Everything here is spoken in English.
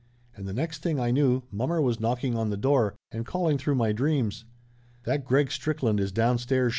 And the next thing I knew, mommer was knocking on the door and calling through my dreams. "That Greg Strickland is downstairs!"